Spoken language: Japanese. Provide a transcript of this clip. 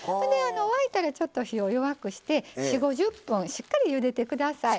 沸いたら、火をちょっと弱くして４０５０分しっかりゆでてください。